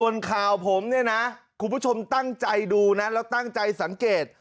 ส่วนข่าวผมเนี่ยนะคุณผู้ชมตั้งใจดูนะแล้วตั้งใจสังเกต